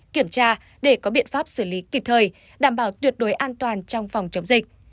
kiểm tra để có biện pháp xử lý kịp thời đảm bảo tuyệt đối an toàn trong phòng chống dịch